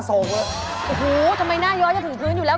โอ้โหทำไมหน้าย้อยจะถึงพื้นอยู่แล้ว